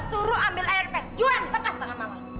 suruh ambil air juhan lepas tangan mama